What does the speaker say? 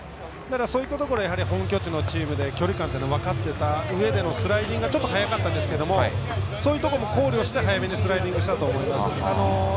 そういったところ本拠地のチームで距離感は分かってたうえでのスライディングちょっと速かったですけどそういうところも考慮して早めにスライディングしたと思います。